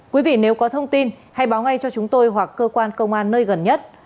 quý vị nếu có thông tin hãy báo ngay cho chúng tôi hoặc cơ quan công an nơi gần nhất